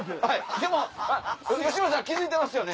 でも吉村さん気付いてますよね。